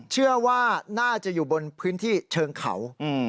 เชื่อว่าน่าจะอยู่บนพื้นที่เชิงเขา